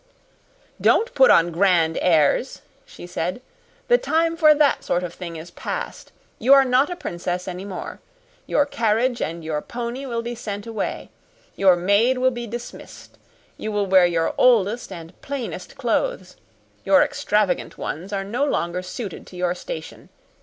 "Don't put on grand airs," she said. "The time for that sort of thing is past. You are not a princess any longer. Your carriage and your pony will be sent away your maid will be dismissed. You will wear your oldest and plainest clothes your extravagant ones are no longer suited to your station.